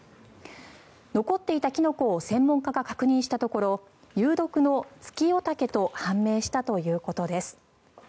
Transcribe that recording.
残っていたキノコを専門家が確認したところ有毒のツキヨタケと判明したということです。